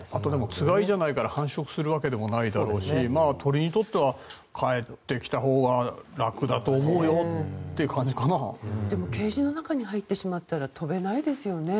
つがいじゃないから繁殖するわけでもないでしょうし鳥にとっては帰ってきたほうがでもケージの中に入ったら飛べないですよね。